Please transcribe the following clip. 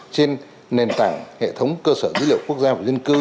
trên nền tảng hệ thống cơ sở dữ liệu quốc gia về dân cư